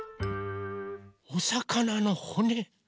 おさかなのほね。